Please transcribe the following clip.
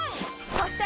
そして！